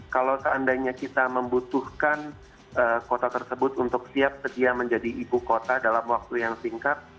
kalau seandainya kita membutuhkan kota tersebut untuk siap sedia menjadi ibu kota dalam waktu yang singkat